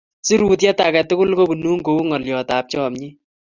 Sirutyet ake tukul kobunun kou ng'alyotap chomyet.